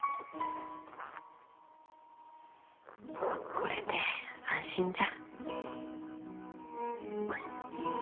これで安心じゃ。